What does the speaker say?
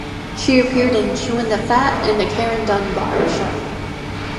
She appeared in "Chewin' the Fat" and "The Karen Dunbar Show".